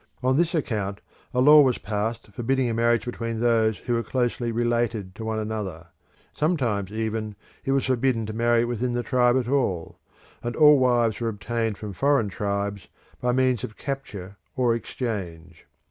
On this account a law was passed forbidding marriage between those who were closely related to one another; sometimes even it was forbidden to marry within the tribe at all; and all wives were obtained from foreign tribes by means of capture or exchange.